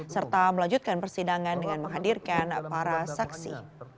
serta melanjutkan persidangan dengan menghadirkan para saksi